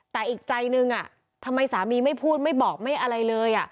แต่อีกใจหนึ่งทำไมสามีไม่พูดไม่บอกไม่อะไรเลย